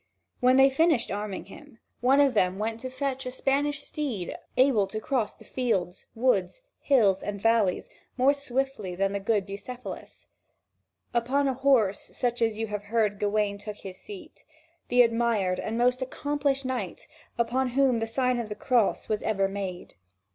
When they finished arming him, one of them went to fetch a Spanish steed able to cross the fields, woods, hills, and valleys more swiftly than the good Bucephalus. Upon a horse such as you have heard Gawain took his seat the admired and most accomplished knight upon whom the sign of the Cross was ever made.